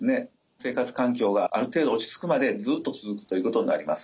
生活環境がある程度落ち着くまでずっと続くということになります。